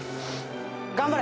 頑張れ！